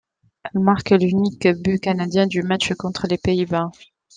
Elle marque l'unique but canadien du match contre les Pays-Bas.